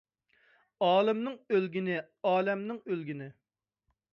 ئالىمنىڭ ئۆلگىنى ئالەمنىڭ ئۆلگىنى.